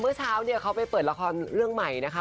เมื่อเช้าเนี่ยเขาไปเปิดละครเรื่องใหม่นะคะ